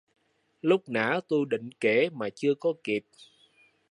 Lúc nãy tôi định Kể mà chưa có kịp